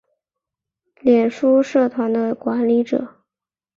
脸书社团的管理者